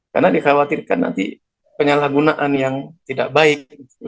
karena dikhawatirkan nanti penyalahgunaan yang tidak baik